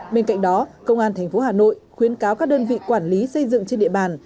bên cạnh đó công an tp hà nội khuyến cáo các đơn vị quản lý xây dựng trên địa bàn